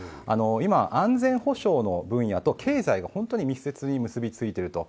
今、安全保障の分野と経済が密接に結びついていると。